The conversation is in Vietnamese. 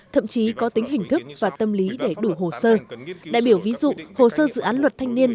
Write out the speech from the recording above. thậm chí có tính hình thức và tâm lý để đủ hồ sơ đại biểu ví dụ hồ sơ dự án luật thanh niên